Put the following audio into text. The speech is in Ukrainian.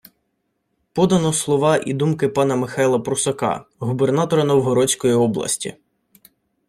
Подано слова і думки пана Михайла Прусака, губернатора Новгородської області